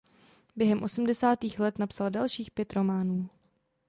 Během osmdesátých let napsal dalších pět románů.